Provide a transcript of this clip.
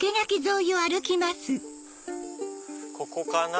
ここかな？